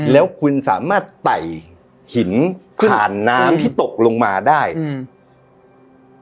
แล้วคุณสามารถไต่หินผ่านน้ำที่ตกลงมาได้อืม